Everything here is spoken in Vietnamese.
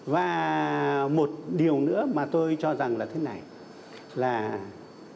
và một điều nữa là phải tăng cường giáo dục trong gia đình trong xã hội trong doanh nghiệp trong các quan hệ xã hội khác nữa